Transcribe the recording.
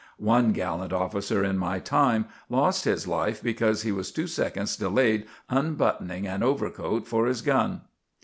One gallant officer in my time lost his life because he was two seconds delayed unbuttoning an overcoat for his gun.